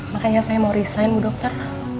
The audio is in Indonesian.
makanya saya mau resign bu dokter